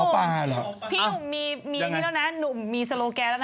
พี่หนุ่มมีมีนี่แล้วนะหนุ่มมีโซโลแกนแล้วนะ